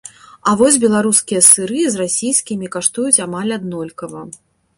А вось беларускія сыры з расійскімі каштуюць амаль аднолькава.